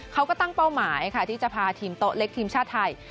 เขาก็ตั้งเป้าหมายค่ะที่จะพาทีมโต๊ะเล็กทีมชาติไทย